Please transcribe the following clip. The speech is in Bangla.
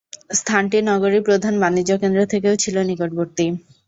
স্থানটি নগরীর প্রধান বাণিজ্যকেন্দ্র থেকেও ছিল নিকটবর্তী।